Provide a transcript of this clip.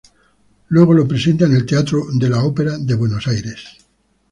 Luego lo presenta en el Teatro Ópera de Buenos Aires.